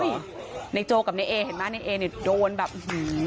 เฮ้ยในโจกับในเอเห็นมั้ยในเอเนี้ยโดนแบบหือ